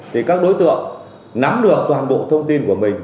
thì các đối tượng nắm được toàn bộ thông tin của mình